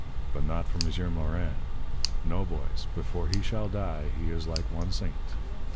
But not for M'sieur Morin. No, boys. Before he shall die, he is like one saint.